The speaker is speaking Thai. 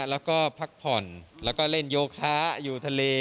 แล้วก็พักผ่อนแล้วก็เล่นโยคะอยู่ทะเล